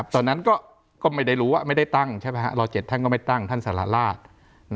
ตอนนั้นก็ไม่ได้รู้ว่าไม่ได้ตั้งใช่ไหมรอ๗ท่านก็ไม่ตั้งท่านสารราช